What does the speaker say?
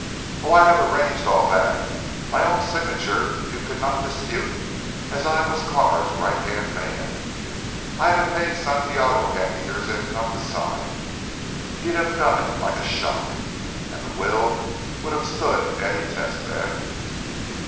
"Oh, I'd have arranged all that. My own signature you could not dispute as I was Carr's right hand man. I'd have paid Santiago half a year's income to sign. He'd have done it like a shot. And the will would have stood any test then."